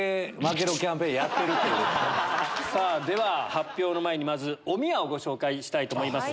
では発表の前にまずおみやをご紹介したいと思います。